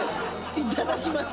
いただきます。